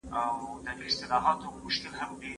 که پوهه وي نو لار وي.